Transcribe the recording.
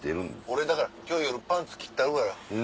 俺だから今日夜パンツ切ったるから。